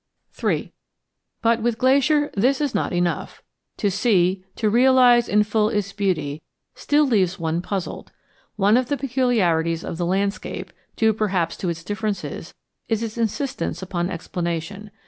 III But, with Glacier, this is not enough. To see, to realize in full its beauty, still leaves one puzzled. One of the peculiarities of the landscape, due perhaps to its differences, is its insistence upon explanation.